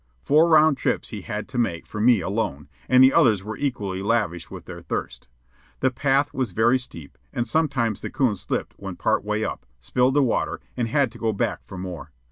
Four round trips he had to make for me alone, and the others were equally lavish with their thirst. The path was very steep, and sometimes the coon slipped when part way up, spilled the water, and had to go back for more.